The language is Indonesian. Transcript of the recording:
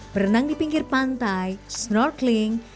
berenang di pinggir pantai snorkeling